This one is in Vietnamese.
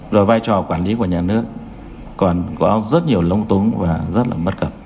rồi vai trò quản lý của nhà nước còn có rất nhiều lông túng và rất là bất cập